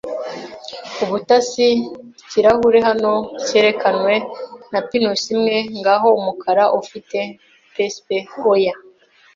Ubutasi- ikirahure, hano cyerekanwe na pinusi imwe, ngaho umukara ufite precipices. Oya